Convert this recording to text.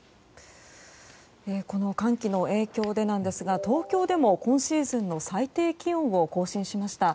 寒気の影響でですが東京でも今シーズンの最低気温を更新しました。